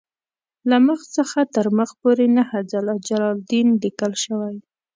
له مخ څخه تر مخ پورې نهه ځله جلالدین لیکل شوی.